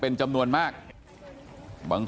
ครอบครัวญาติพี่น้องเขาก็โกรธแค้นมาทำแผนนะฮะ